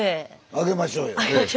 あげましょうよ。